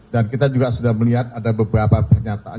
dan kita juga sudah melihat ada beberapa pernyataan